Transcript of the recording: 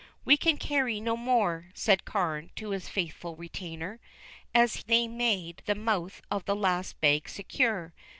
"We can carry no more," said Carne to his faithful retainer, as they made the mouth of the last bag secure.